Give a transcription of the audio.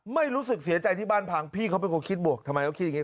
ไม่รู้สึกเสียใจที่บ้านพังพี่เขาเป็นคนคิดบวกทำไมเขาคิดอย่างนี้